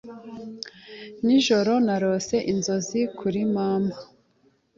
Nijoro narose inzozi kuri mama.